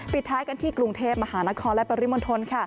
ปิดท้ายกันที่กรุงเทพมหานครและปริมณฑล